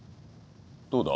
どうだ？